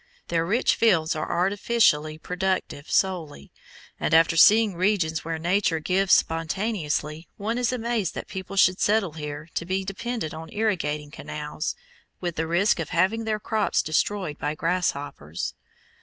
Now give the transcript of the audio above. Their rich fields are artificially productive solely; and after seeing regions where Nature gives spontaneously, one is amazed that people should settle here to be dependent on irrigating canals, with the risk of having their crops destroyed by grasshoppers.